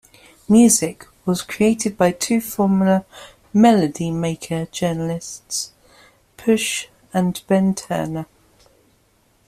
"Muzik" was created by two former "Melody Maker" journalists, Push and Ben Turner.